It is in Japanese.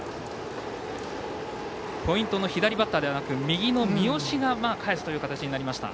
ポイントの左バッターではなく三好がかえすという形になりました。